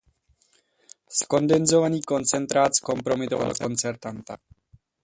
Zkondenzovaný koncentrát zkompromitoval koncertanta.